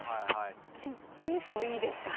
いってみてもいいですか？